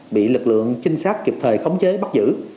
bị lực lượng trinh sát kịp thời khống chế bắt giữ